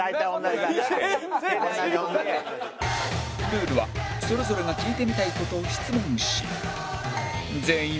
ルールはそれぞれが聞いてみたい事を質問し全員